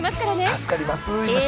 助かります。